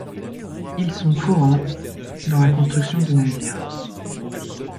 Ils sont courant dans la construction de navires.